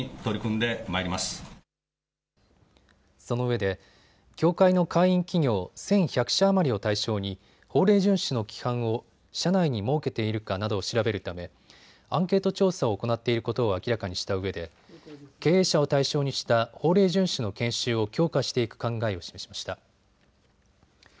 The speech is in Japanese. そのうえで協会の会員企業１１００社余りを対象に法令順守の規範を社内に設けているかなどを調べるためアンケート調査を行っていることを明らかにしたうえで経営者を対象にした法令順守の研修を強化していく考えを示しました。